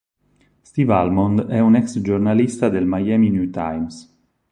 Steve Almond è un ex giornalista del Miami New Times.